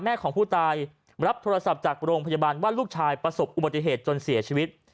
ของผู้ตายรับโทรศัพท์จากโรงพยาบาลว่าลูกชายประสบอุบัติเหตุจนเสียชีวิต